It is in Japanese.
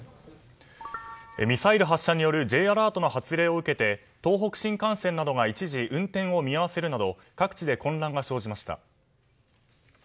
ミサイル発射によるＪアラートの発令を受けて東北新幹線などが一時、運転を見合わせるなど各地で混乱が生じました。